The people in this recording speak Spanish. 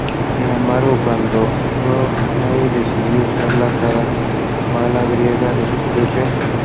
Sin embargo, cuando Crowley decidió usar la cábala griega, descubrió que...